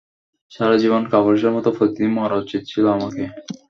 সারা জীবন কাপুরুষের মত প্রতিদিন মরা উচিত ছিলো আমাকে?